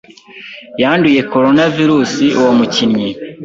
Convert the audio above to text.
yanduye Coronavirus uwo mukinnyi